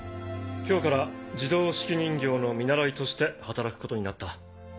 今日から自動手記人形の見習いとして働くことになった。